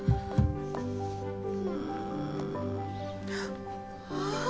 うんあっ